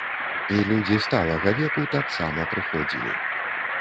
І людзі сталага веку таксама прыходзілі.